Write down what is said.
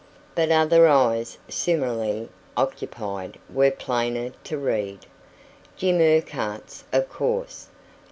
But other eyes, similarly occupied, were plainer to read. Jim Urquhart's, of course.